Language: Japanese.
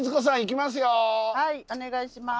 はいお願いします。